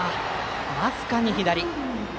僅かに左。